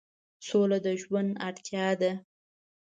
سوله د ژوند اړتیا ده.